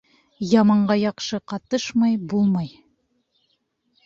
Яманға яҡшы ҡатышмай булмай.